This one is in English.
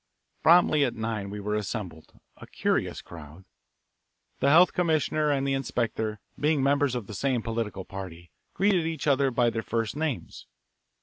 Promptly at nine we were assembled, a curious crowd. The health commissioner and the inspector, being members of the same political party, greeted each other by their first names.